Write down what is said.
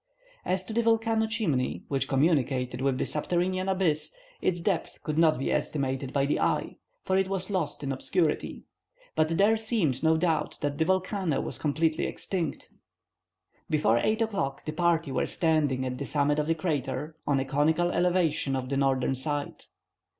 As to the volcano chimney which communicated with the subterranean abyss, its depth could not be estimated by the eye, for it was lost in obscurity; but there seemed no doubt that the volcano was completely extinct. Before 8 o'clock, the party were standing at the summit of the crater, on a conical elevation of the northern side.